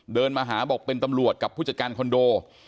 เดินมาหาบอกเป็นตำรวจกับผู้จัดการคอนโด